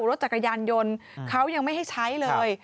รถจักรยานยนต์เขายังไม่ให้ใช้เลย